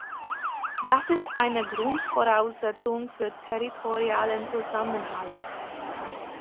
Das ist eine Grundvoraussetzung für territorialen Zusammenhalt.